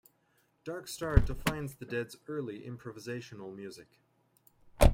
"Dark Star" defines the Dead's early improvisational music.